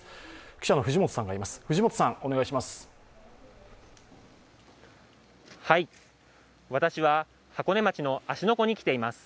記者の藤本さんがいます。